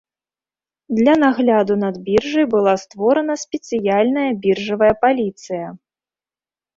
Для нагляду над біржай была створана спецыяльная біржавая паліцыя.